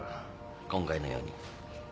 今回のように。